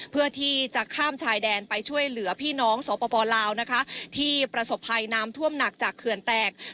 เพื่อข้ามพวกชายแดนไปช่วยเหลือพี่น้องสพล่าวที่ประสบภัยนำถ้วมหนักจากเขื่อนแตก